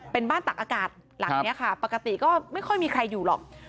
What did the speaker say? เป็นบ้านตักอากาศหลังนี้ค่ะปกติก็ไม่ค่อยมีใครอยู่หรอก